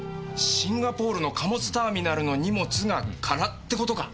シンガポールの貨物ターミナルの荷物が空って事か。